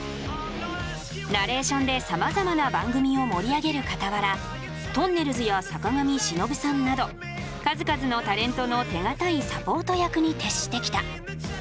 ナレーションでさまざまな番組を盛り上げるかたわらとんねるずや坂上忍さんなど数々のタレントの手堅いサポート役に徹してきた。